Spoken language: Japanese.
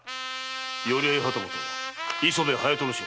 寄合旗本・磯部隼人正。